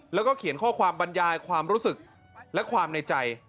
แล้วก็เขียนข้อความบรรยายความรู้สึกและความในใจ